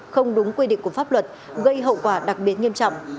không đúng quy định của pháp luật gây hậu quả đặc biệt nghiêm trọng